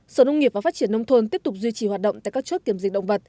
sở nông nghiệp và phát triển nông thôn tiếp tục duy trì hoạt động tại các chốt kiểm dịch động vật